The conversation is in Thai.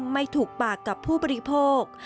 ไม่ถูกปากกับผู้บริโภค